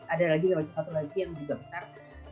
ada lagi masih satu lagi yang juga besar